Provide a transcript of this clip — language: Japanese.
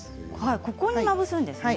ここに、まぶすんですね。